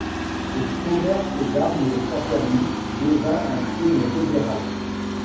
Le commerce d’armes sans permis devint un crime fédéral.